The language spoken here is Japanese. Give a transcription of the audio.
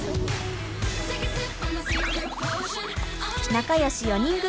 仲良し４人組。